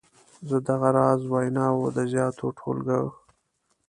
زه د دغه راز ویناوو د زیاتو ټولګو.